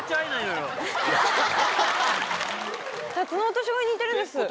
タツノオトシゴに似てるんです。